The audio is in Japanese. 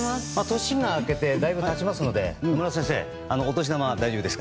年が明けてだいぶ経ちますので野村先生、お年玉大丈夫ですか？